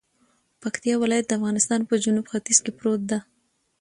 پکتيا ولايت د افغانستان په جنوت ختیځ کی پروت ده